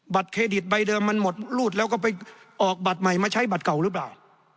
เครดิตใบเดิมมันหมดรูดแล้วก็ไปออกบัตรใหม่มาใช้บัตรเก่าหรือเปล่า